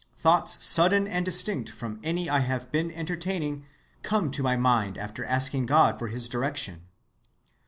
Thoughts sudden and distinct from any I have been entertaining come to my mind after asking God for his direction.